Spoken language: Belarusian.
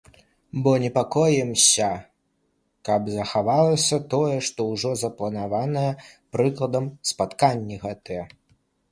Бо непакоімся, каб захавалася тое, што ўжо запланаванае, прыкладам, спатканні гэтыя.